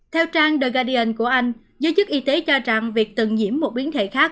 theo trang the guardian của anh giới chức y tế cho rằng việc từng nhiễm một biến thể khác